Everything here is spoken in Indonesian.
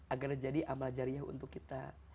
agar jadi amal jariyah untuk kita